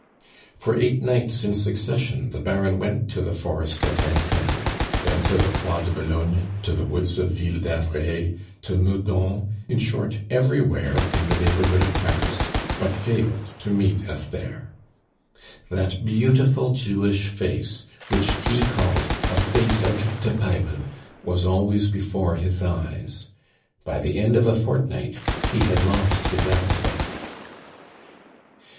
For eight nights in succession the Baron went to the forest of Vincennes, then to the Bois de Boulogne, to the woods of Ville d'Avray, to Meudon, in short, everywhere in the neighborhood of Paris, but failed to meet Esther. That beautiful Jewish face, which he called "a face out of te Biple," was always before his eyes. By the end of a fortnight he had lost his appetite.